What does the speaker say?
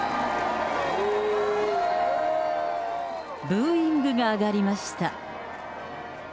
ブーイングが上がりました。